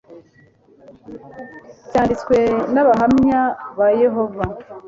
cyanditswe n abahamya ba yehova